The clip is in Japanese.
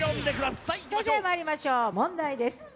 それではまいりましょう問題です。